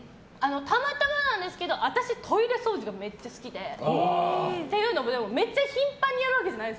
たまたまなんですけど私、トイレ掃除がめっちゃ好きで。というのもめっちゃ頻繁にやるわけじゃなくて。